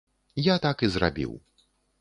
Я так і зрабіў.